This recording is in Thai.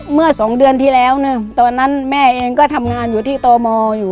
เมื่อสองเดือนที่แล้วตอนนั้นแม่เองก็ทำงานอยู่ที่ตมอยู่